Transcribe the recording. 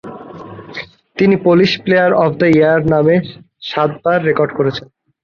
তিনি Polish player of the year নামে সাতবার রেকর্ড করেছেন।